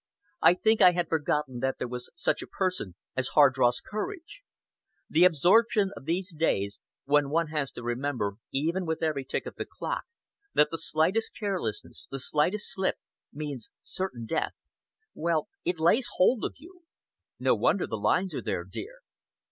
I think I had forgotten that there was such a person as Hardross Courage. The absorption of these days, when one has to remember, even with every tick of the clock, that the slightest carelessness, the slightest slip, means certain death well, it lays hold of you. No wonder the lines are there, dear!"